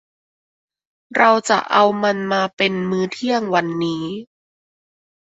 เราจะเอามันมาเป็นมื้อเที่ยงวันนี้